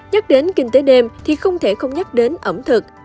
nhắc đến kinh tế đêm thì không thể không nhắc đến ẩm thực